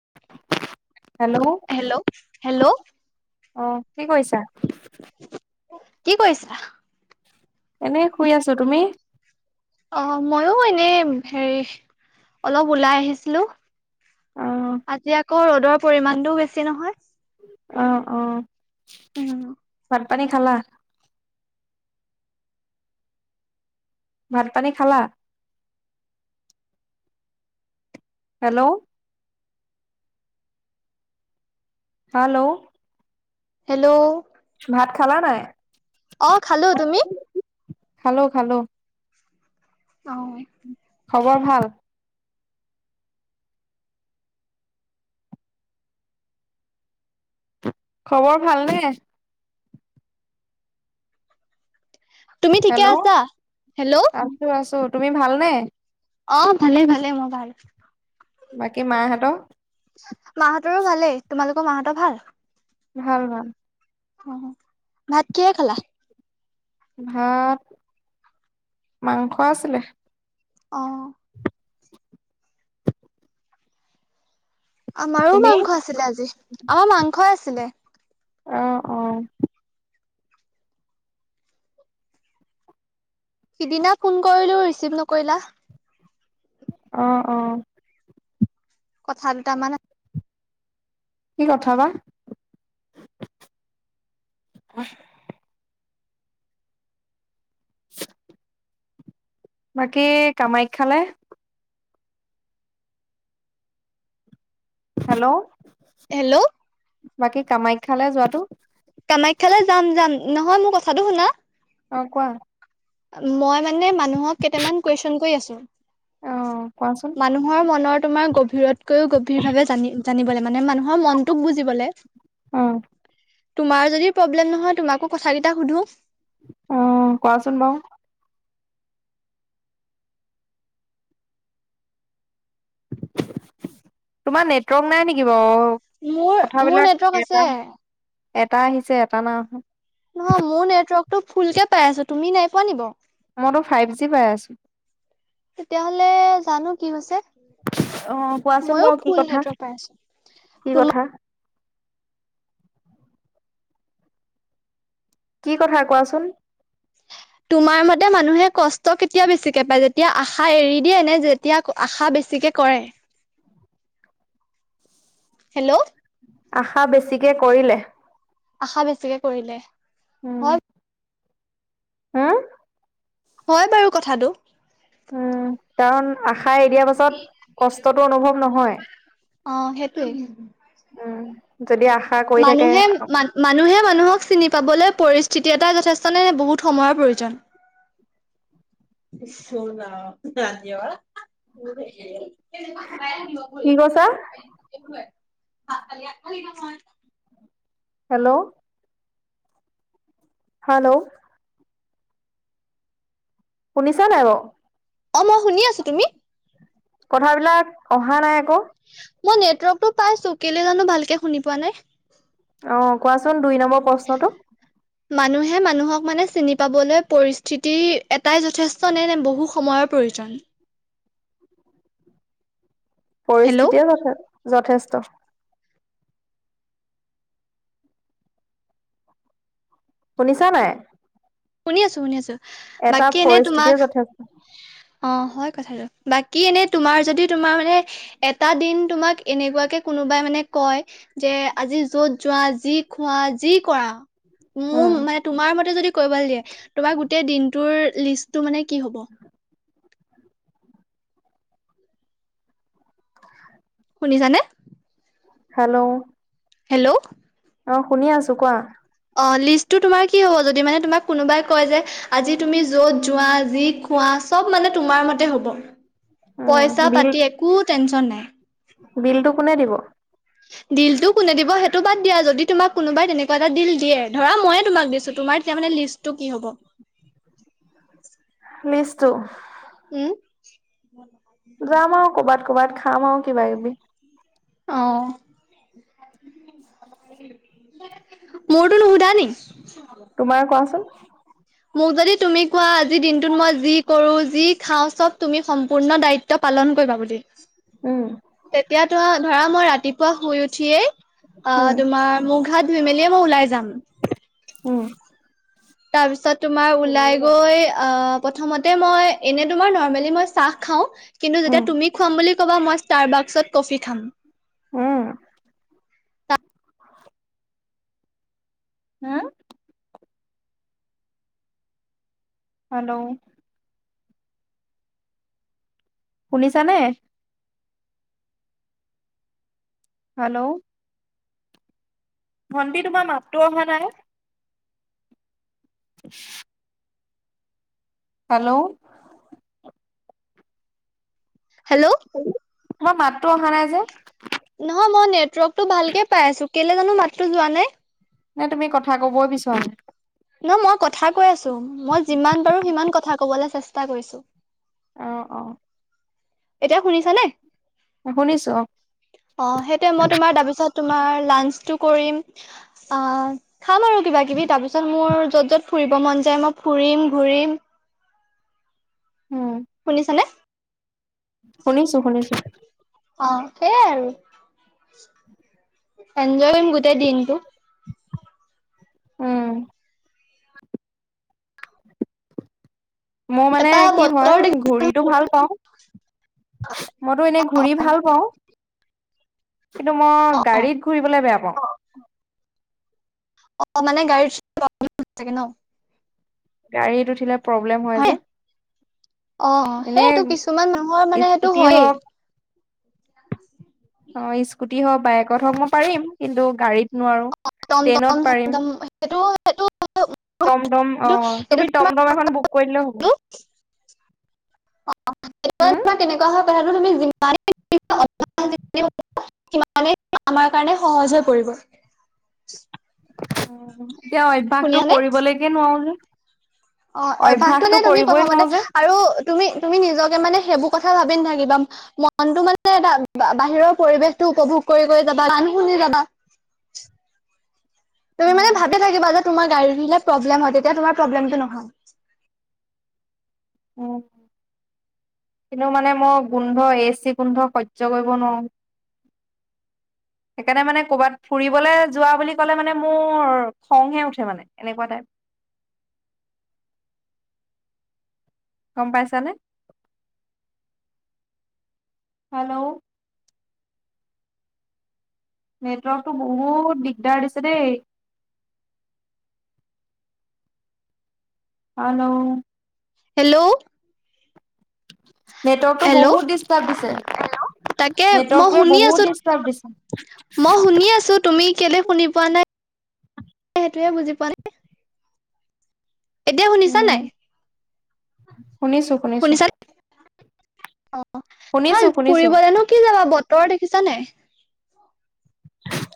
[unintelligible] Hello hello. অ কি কৰিছা? কি কৰিছা? এনেই শুই আছো। তুমি? অ ময়ো এনে হেৰি অলপ ওলাই আহিছিলো। অ আজি আকৌ ৰ'দৰ পৰিমানটোও বেছি নহয়। অ অ। উম। ভাত পানী খালা? ভাত-পানী খালা? হেল্ল'। হেল্ল'। হেল্ল'। ভাত খালা নাই? অ খালো। তুমি? খালো-খালো। অ'। খবৰ ভাল। খবৰ ভালনে? তুমি ঠিকে হেল্ল' আছা? হেল্ল' আছো, আছো তুমি ভালনে? অ, ভালে, ভালে মই ভাল। বাকী মাহঁতৰ মা হতৰো ভালেই, তোমালোকৰ মা, হতৰ ভাল। ভাল, ভাল। অ, ভাত কিহে খালা। ভাত, মাংস আছিলে। অ'। আমাৰো তুমি মাংস আছিলে, আজি আমাৰ মাংসই আছিলে। অ', অ'। সিদিনা ফোন কৰিলো। ৰিচিভ নকৰিলা? অ', অ'। কথা দুট মান কি, কথা বা? বাকী কামাখ্যালে হেল্ল'? হেল্ল' বাকী কামাখ্যালৈ যোৱাটো কামাখ্যালৈ যাম, যাম, নহয়। মোৰ কথাটো শুনা। অ, কোৱা? মই মানে মানুহক কেইটামান কুৱেশ্যন ক, আছো। অ কোৱাচোন মানুহৰ মনৰ তোমাৰ গভীৰতকৈও গভীৰভাৱে জানি জানিবলৈ মানে, মানুহৰ মনটোক বুজিবলৈ অ তোমাৰ যদি প্ৰব্লেম নহয়, তোমাকো কথ, কেইটা সুধো। অহ, কোৱাচোন বাৰু। তোমাৰ নেটৱৰ্ক নাই নেকি বাৰ মোৰ মোৰ কথাবলাক নেটৱৰ্ক আছে এটা, এটা, আহিছে এটা নয় নহয় মোৰ নেটৱৰ্ক টো ফুলকে পাই আছো তুমি নাই পোৱা নি ব ম, তো ফাইভ জি পাই আছো। তেতিয়াহলে জানো কি হৈছে। অ কোৱাচোন ময়ো বাৰু কি ফুল কথা নেটৱৰ্ক পাই আছো কি তোমাৰ। কথা কি কথা কোৱাচোন? উ। তোমাৰ মতে মানুহে কষ্ট কেতিয়া বেছিকে পায় যেতিয়া আশা এৰি দিয়ে নে যেতিয়া আশা বেছিকে কৰে। হেল্ল? আশা বেছিকে কৰিলে। আশা বেছিকে কৰিলে হয়। হা? হয় বাৰু কথাটো। উম, কাৰণ আশাৰ এ, দিয়া পাছত কষ্টতটো অনুভৱ নহয়। অ, সেইটো। উম, যদি আশা কৰি থাকে মানুহে, মানুহে, মানুহক চিনি পাবলৈ পৰিস্থিতি এটা যথেষ্ট নে, বহুত সময়ৰ প্ৰয়োজন। চোনা, ধনা। তেনে, প, কি ব, কৈছা দিবপ। কল খাল নাম হেল্ল'? হেল্ল'। শুনিছা নাই বাৰু। অ' মই শুনি আছোঁ, তুমি? কথাবিলাক অহা নাই আকৌ। মই নেটৱৰ্কটো পাইছোঁ কেলে জানো ভালকে শুনি পোৱা নাই। অ' কোৱাচোন দুই নম্বৰ প্ৰশ্নটো। মানুহে মানুহক মানে চিনি পাবলৈ পৰিস্থিতি এটাই যথেষ্ট নে নে বহু সময়ৰ প্ৰয়োজন। হেল্ল' পৰিস্থিতিয়ে [unintelligible] যথেষ্ট। শুনিছা নাই। শুনি আছোঁ শুনি আছোঁ, এটা বাকী এনে পৰিস্থিতিয়ে তোমাক, যথেষ্ট অ' হয় কথাটো। বাকী এনেই তোমাৰ যদি তোমাৰ মানে, এটা দিন তোমাক এনেকুৱাকে কোনোবাই মানে কয়। যে আজি য'ত যোৱা, যি খোৱা, যি কৰা, মোৰ উম মানে তোমাৰ মতে যদি [unintelligible] দিয়ে তোমাৰ গোটেই দিনটোৰ লিষ্টটো মানে কি হ'ব। শুনিছানে। হেল্ল'। হেল্ল'। অ' শুনি আছোঁ কোৱা। অ' লিষ্টটো তোমাৰ কি হ'ব যদি মানে তোমাক কোনোবাই কয় যে আজি তুমি য'ত যোৱা, যি খোৱা চব মানে তোমাৰ মতে হ'ব, উম পইচা বিল পাতি একো টেনচন নাই। বিলটো কোনে দিব। দিলটো কোনে দিব সেইটো বাদ দিয়া যদি তোমাক কোনোবাই তেনেকুৱা এটা দিল দিয়ে ধৰা ময়ে তোমাক দিছোঁ তোমাৰ তেতিয়া মানে লিষ্টটো কি হ'ব। লিষ্টটো। উম। যাম আৰু কৰ'বাত কৰ'বাত খাম আৰু কিবা কিবি। অ'। মোৰটো নুশুধা নি। তোমাৰ কোৱাচোন। মোক যদি তুমি কোৱা আজিৰ দিনটোত মই যি কৰো, যি খাওঁ চব তুমি সম্পূৰ্ণ দায়িত্ব পা পালন কৰিবা বুলি, উম তেতিয়া তৰা ধৰা মই ৰাতিপুৱা শুই উঠিয়েই উম অ' তোমাৰ মূখ হাত ধুই মেলিয়ে মই ওলাই যাম। উম। তাৰ পিছত তুমাৰ ওলাই গৈ অ' প্ৰথমতে মই এনে তোমাৰ নৰ্মেলি মই চাহ [unintelligible] কিন্তু উম যেতিয়া তুমি খাম বুলি ক'বা মই ষ্টাৰ বাক্সত কফি খাম। উম। [unintelligible] [inaudible] হা? হেল্ল'। শুনিছানে। হেল্ল'। ভণ্টি তোমাৰ মাতটো অহা নাই। [inaudible] হেল্ল'। হেল্ল'। তোমাৰ মাতটো অহা নাই যে। নহয় মই নেটৱৰ্কটো ভালকে পাই আছোঁ কেলে জানো মাতটো যোৱা নাই। নে তুমি কথা ক'বই বিচৰা নাই। না মই কথা কৈ আছোঁ, মই যিমান পাৰো সিমান কথা ক'বলৈ চেষ্টা কৰিছোঁ। অ অ। এতিয়া শুনিছা নে? শুনিছো অ অ সেইটোয়ে মই তোমাৰ তাৰপিছত তোমাৰ লাঞ্চটো কৰিম, আ খাম আৰু কিবা কিবি, তাৰপিছত মোৰ যত যত ফুৰিব মন যায় মই ফু ৰিম ঘূৰিম। উম শুনিছানে? শুনিছো শুনিছো। অ সেইয়াই আৰু এনজয় কৰিম গোটেই দিনটো। উম। মই মানে তাৰপা কি হয় বতৰ দেখি ঘূৰিটো ভাল পাওঁ, মইতো এনে ঘূৰি ভাল পাওঁ। কিন্তু মই অ গাড়ীত ঘুৰিবলে বেয়া পাওঁ। অ মানে গাড়ীত--ন? গাড়ীত উঠিলে প্ৰব্লেম হয় যে। অ এনে সেইটো কিছুমান মানুহৰ মানে সেইটো স্কুটি হয়েই। হওক অ স্কুটি হওক, বাইকত হওক মই পাৰিম। কিন্তু গাড়ীত নোৱাৰো। অম ট্ৰেইনত পাৰিম টমটম-চমটম সেইটো- সেইটো টমটম অ কিন্তু এইটো তুমি টমটম এখন বুক কৰিলে হ'ব। [unintelligible] হম [unintelligible] আমাৰ কাৰণে সহজ হৈ পৰিব এতিয়া অভ্যয়াসতটো শুনিয়ানে কৰিবলৈকে নোৱাৰো যে। অ অভ্যাসটো নে তুমি কৰিবই প্ৰথমতে নোৱাৰো যে আৰু তুমি তুমি নিজকে মানে সেইবোৰ কথা ভাবি নথাকিবা। মনতটো মানে এটা বাহিৰৰ পৰিৱেশতটো উপভোগ কৰি যাবা। গান শুনি [unintelligible] তুমি মানে ভাবি থাকিবা যে তোমাৰ গাৰী উঠিলে প্ৰব্লেম হয়, তেতিয়া তোমাৰ প্ৰব্লেমটো নহ উম। কিন্তু মানে মই গোন্ধ এ চি গোন্ধ সহ্য কৰিব নোৱাৰোঁ। [inaudible] সেইকাৰণে মানে ক'ৰবাত ফুৰিবলৈ যোৱা বুলি কলে মানে মোৰ খংহে উঠে মানে, এনেকুৱা টাইপ। [inaudible] গম পাইছানে? হেল্ল'। নেটৱৰ্কটো বহুত দিগদাৰ দিছে দেই। হেল্ল'। হেল্ল'। নেটৱৰ্কতটো হেল্ল' বহুত ডিষ্টাৰ্ব দিছে। তাকে মই নেটৱৰ্কটোৱে শুনি বহুত আছো, ডিষ্টাৰ্ব দিছে মই শুনি আছো তুমি কেলে শুনি পোৱা নাই সেইটোয়ে বুজি পোৱা নাই। এতিয়া শুনিছা উম নাই? শুনিছো শুনিছো শুনিছা? অ শুনিছো শুনিছো ফুৰিবলেনো কি যাবা, বতৰ দেখিছানে নাই?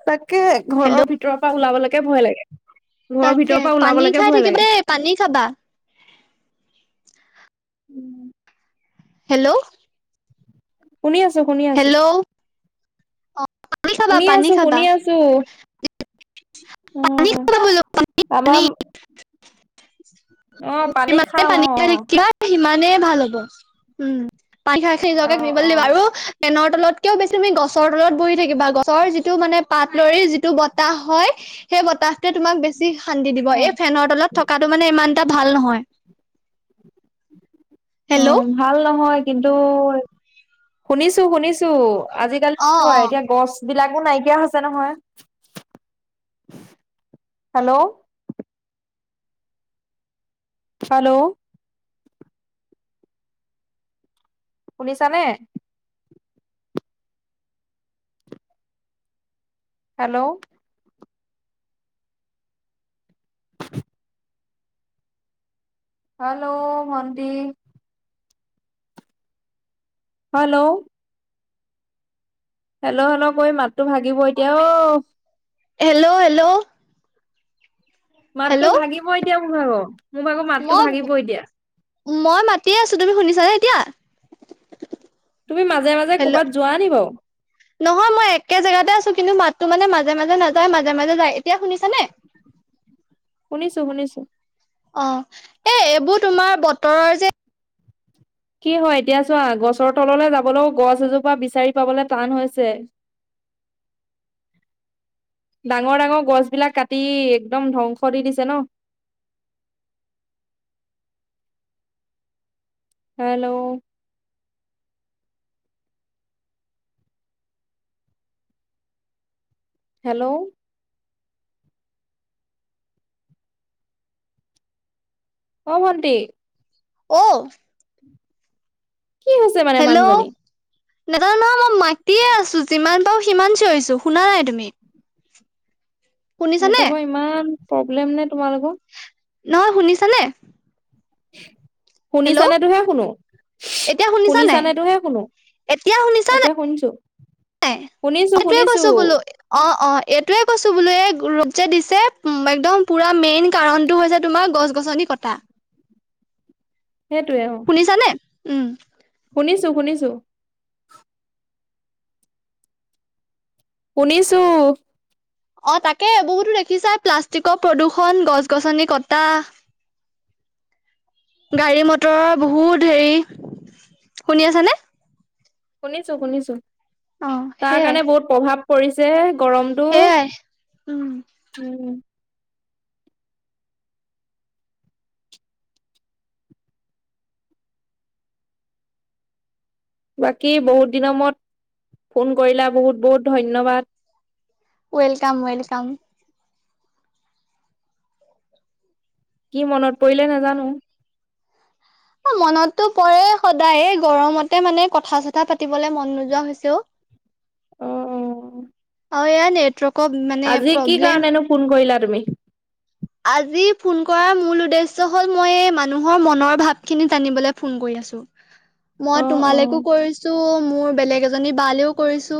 তাকে হেল্ল' ঘৰৰ ভিতৰৰ পৰা ওলাবলৈকে ভয় লাগে। ঘৰৰ তাকে ভিতৰৰ পৰা পানী ওলাবলৈকে খাই ভয় থাকিবা লাগে। দেই পানী খাবা [inaudible] হেল্ল'। শুনি আছো, শুনি আছো। হেল্ল' অ পানী খাবা শুনি পানী আছো খাবা শুনি আছো। পানী উম খাবা বোলো পানী তামাম যিমানে- খাম পানী অ খাই-সিমান এনে ভাল হ'ব। উম পাই খাই খাই অ নিজকে অ [unintelligible] আৰু ফেনৰ তলতকেওঁ বেছি তুমি গছৰ তলত বহি থাকিবা গছৰ যিটো মানে পাত লৰি যিটো বতাহ হয়। সেই বতাহটোৱে তোমাক বেছি শান্তি দিব অ এই ফেনৰ তলত থকাটো মানে ইমান এটা ভাল নহয়। হেল্ল' অ' ভাল নহয় কিন্তু, শুনিছোঁ শুনিছ [unintelligible] আজিকালি অ হয় অ এতিয়া গছবিলাকো নাই কিয় হৈছে নহয়, হেল্ল'। হেল্ল'। শুনিছানে। হেল্ল'। হেল্ল' ভন্টি। হেল্ল'। হেল্ল' হেল্ল' কৰি মাতটো ভাগিব এতিয়া অ'। Hello, hello. মাতো হেল্ল' ভাগিবই দিয়া মোৰ আৰু, মোৰ ভাগৰ মাতটো মই ভাগিবই দিয়া। মই মাতিয়ে আছোঁ তুমি শুনিছানে এতিয়া। তুমি মাজে মাজে হেল্ল' কৰ'বাত যোৱা নি বাৰু। নহয় মই একে জেগাতে আছো কিন্তু মাতটো মানে মাজে মাজে নাযায় মাজে মাজে যায় এতিয়া শুনিছানে। শুনিছোঁ শুনিছোঁ। অ' এ এইবোৰ তোমাৰ বতৰৰ যে কি হয় এতিয়া চোৱা গছৰ তললৈ যাবলৈও গছ এজোপা বিচাৰি পাবলৈ টান হৈছে। ডাঙৰ ডাঙৰ গছ বিলাক কাটি একদম ধ্বংস দি দিছে ন'। হেল্ল'। হেল্ল'। অ' ভন্টি। অ'। কি হৈছে মানে হেল্ল' মানুহজনী। [unintelligible] মই মাতিয়ে আছো যিমান পাৰো সিমান চিঞৰিছো শুনা নাই তুমি। শুনিছানে নেটৱৰ্কৰ ইমান প্ৰব্লেম নে তোমালোকৰ। নহয় শুনিছানে। হেল্ল' শুনিছানে তোহে শুনো। এতিয়া শুনিছা নাই, শুনিছানেটোহে শুনো এতিয়া শুনিছা নাই। এতিয়া শুনিছো [unintelligible] শুনিছো এতিয়া শুনিছো কৈছোঁ বোলো, অ', অ'। এইটোৱে কৈছো বোলো এ ৰূপ যে দিছে উম, একদম পুৰা মেইন কাৰণটো হৈছে তোমাৰ গছ গছনি কটা। শুনিছানে, উম। শুনিছোঁ শুনিছোঁ। শুনিছোঁ। অ' তাকে বহুতো দেখিছাই প্লাষ্টিকৰ প্ৰদূষণ, গছ গছনি কটা। গাড়ী মটৰ বহুত হেৰি, শুনি আছ নে। শুনিছো শুনিছো অ তাৰ সেইয়াই কাৰণে বহুত প্ৰভাৱ পৰিছে গৰমটো, সেইয়াই উম উম। বাকী বহুত দিনৰ মূৰত, ফোন কৰিলা বহুত বহুত ধন্যবাদ। Welcome welcome. কি মনত পৰিলে নেজানো। মনতো পৰে সদায় গৰমতে মানে কথা চথা পাতিবলে মন নোযোৱা হৈছেও। অ', অ'। অ' এয়া নেটৱৰ্ক আজি কি কাৰণেনো ফোন কৰিলা তুমি। আজি ফোন কৰাৰ মূল উদ্দেশ্য হ'ল মই মানুহৰ মনৰ ভাৱখিনি জানিবলৈ ফোন [unintelligible] অ মই অ তোমালৈকো কৰিছোঁ মোৰ বেলেগ এজনী বালেও কৰিছো,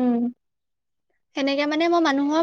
উম সেনেকে মানে মই মানুহৰ